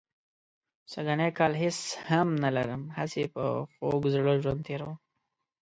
سږنی کال هېڅ هم نه لرم، هسې په خوږ زړه ژوند تېروم.